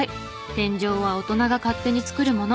天井は大人が勝手に作るもの。